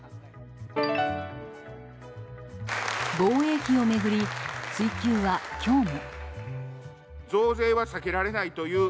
防衛費を巡り追及は今日も。